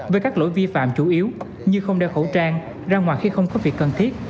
với các lỗi vi phạm chủ yếu như không đeo khẩu trang ra ngoài khi không có việc cần thiết